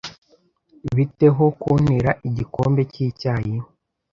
Bite ho kuntera igikombe cyicyayi?